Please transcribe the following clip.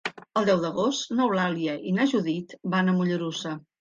El deu d'agost n'Eulàlia i na Judit van a Mollerussa.